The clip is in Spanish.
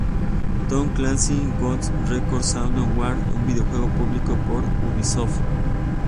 Tom Clancy´s Ghost Recon Shadow Wars es un videojuego publicado por Ubisoft.